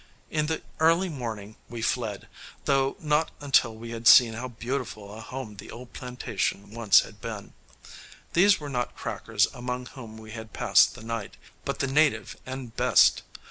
In the early morning we fled, though not until we had seen how beautiful a home the old plantation once had been. These were not Crackers among whom we had passed the night, but the "native and best."